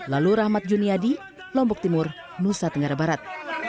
lalu rahmat juniadi lombok timur nusa tenggara barat